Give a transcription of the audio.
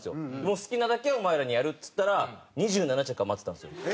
「好きなだけお前らにやる」っつったら２７着余ってたんですよ。